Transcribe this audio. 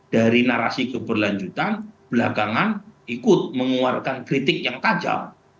dari narasi keberlanjutan belakangan ikut mengeluarkan kritik yang tajam